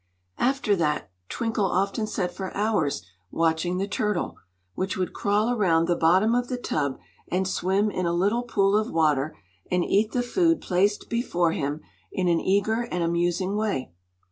After that, Twinkle often sat for hours watching the turtle, which would crawl around the bottom of the tub, and swim in the little pool of water and eat the food placed before him in an eager and amusing way.